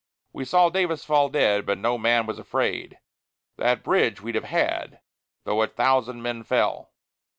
We saw Davis fall dead, but no man was afraid; That bridge we'd have had, though a thousand men fell.